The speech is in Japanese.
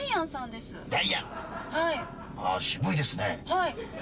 はい。